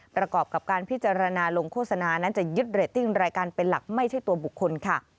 ประกอบกับการพิจารณาลงโฆษณานั้นจะยึดเรตติ้งรายการเป็นหลักไม่ใช่ตัวบุคคลค่ะ